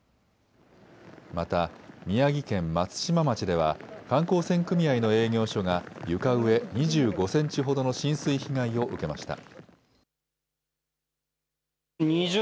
また宮城県松島町では観光船組合の営業所が床上２５センチほどの浸水被害を受けました。